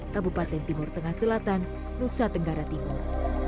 kabupaten timur tengah selatan nusa tenggara timur